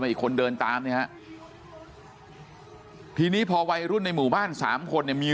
มาอีกคนเดินตามนะฮะทีนี้พอวัยรุ่นในหมู่บ้าน๓คนมี